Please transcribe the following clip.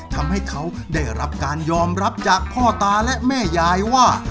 ทำให้เขาได้รับการยอมรับจากพ่อตาและแม่ยายว่า